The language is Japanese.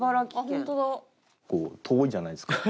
結構遠いじゃないですか。